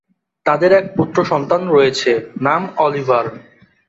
তাদের এক পুত্র সন্তান রয়েছে, নাম অলিভার।